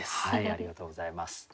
ありがとうございます。